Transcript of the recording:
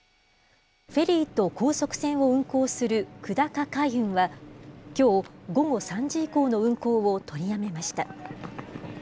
フェリーと高速船を運航する久高海運は、きょう午後３時以降の運航を取りやめました。